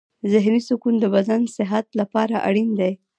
ذهني سکون د بدن صحت لپاره اړین دی.